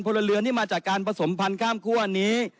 เรือนที่มาจากการผสมพันธ์ข้ามคั่วนี้